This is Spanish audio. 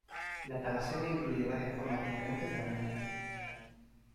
La talasemia incluye varias formas diferentes de anemia.